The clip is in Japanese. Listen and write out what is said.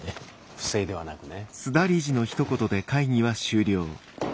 不正ではなくね。